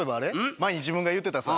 前に自分が言うてたさ